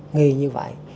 nghi như vậy